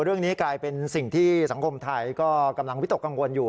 เรื่องนี้กลายเป็นสิ่งที่สังคมไทยก็กำลังวิตกกังวลอยู่